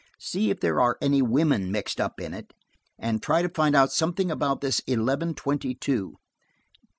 See if there are any women mixed up in it, and try to find out something about this eleven twenty two."